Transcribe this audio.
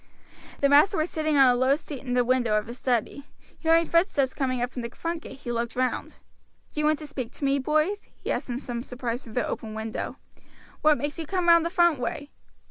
The master was sitting on a low seat in the window of his study. Hearing footsteps coming up from the front gate he looked round. "Do you want to speak to me, boys?" he asked in some surprise through the open window. "What makes you come round the front way?"